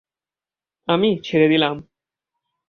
আমি ছেড়ে দিলাম।